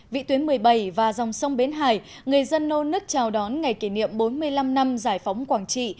vị tuyến một mươi bảy và dòng sông bến hải người dân nôn nức chào đón ngày kỷ niệm bốn mươi năm năm giải phóng quảng trị